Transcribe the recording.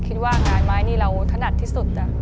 คิดว่างานไม้นี่เราถนัดที่สุด